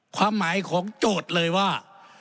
ความหมายของโจทย์เลยว่า